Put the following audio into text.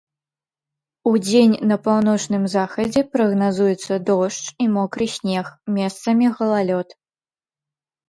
Удзень на паўночным захадзе прагназуецца дождж і мокры снег, месцамі галалёд.